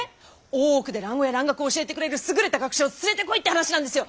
大奥で蘭語や蘭学を教えてくれる優れた学者を連れてこいって話なんですよ！